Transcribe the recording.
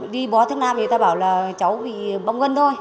đi bó thuốc nam người ta bảo là cháu bị bóng gân thôi